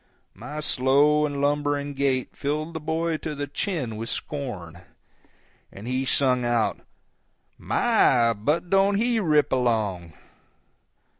My slow and lumbering gait filled the boy to the chin with scorn, and he sung out, "My, but don't he rip along!"